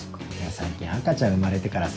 最近赤ちゃん生まれてからさ。